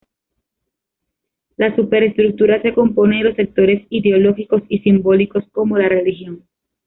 La "superestructura" se compone de los sectores ideológicos y simbólicos como la religión.